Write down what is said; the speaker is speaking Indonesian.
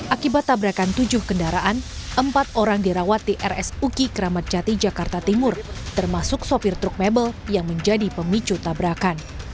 akibat tabrakan tujuh kendaraan empat orang dirawat di rs uki keramat jati jakarta timur termasuk sopir truk mebel yang menjadi pemicu tabrakan